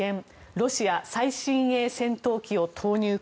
ロシア、最新鋭戦闘機を投入か。